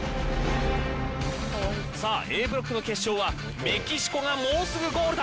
Ａブロックの決勝はメキシコがもうすぐゴールだ。